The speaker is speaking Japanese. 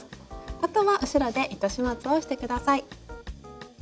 あとは後ろで糸始末をして下さい。